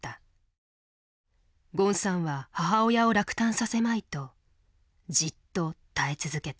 ゴンさんは母親を落胆させまいとじっと耐え続けた。